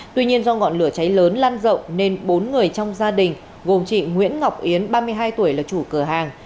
tuy nhiên do ngọn lửa cháy lớn lan rộng nên bốn người trong gia đình gồm chị nguyễn ngọc yến ba mươi hai tuổi là chủ cửa hàng